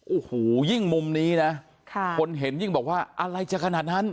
โอ้โหยิ่งมุมนี้นะคนเห็นยิ่งบอกว่าอะไรจะขนาดนั้น